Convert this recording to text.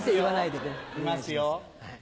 いますよ。